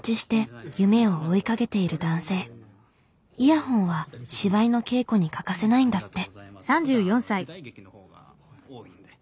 イヤホンは芝居の稽古に欠かせないんだって。